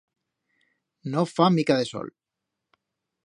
No fa mica de sol.